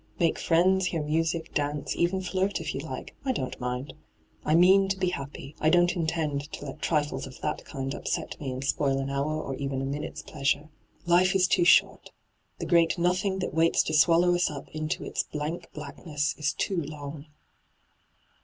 Make fiiends, hear music, dance, even flirt if you like — I don't mind. I mean to be happy ; I don't intend to let trifles of that kind upset me and spoil an hour or eveh a minute's pleasure. Life is too short ; the great Nothing that waits to swallow us up into its blank blackness is too long.'